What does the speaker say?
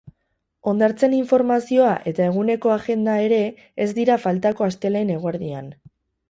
Hondartzen informazioa eta eguneko agenda ere ez dira faltako astelehen eguerdian.